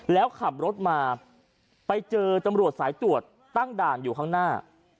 แล้วขับรถมาไปเจอตำรวจสายตรวจตั้งด่านอยู่ข้างหน้า